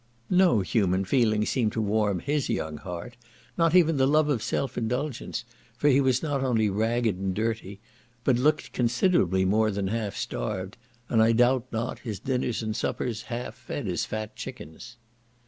No human feeling seemed to warm his young heart, not even the love of self indulgence, for he was not only ragged and dirty, but looked considerably more than half starved, and I doubt not his dinners and suppers half fed his fat chickens.